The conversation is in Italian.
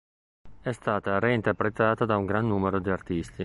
È stata reinterpretata da un gran numero di artisti.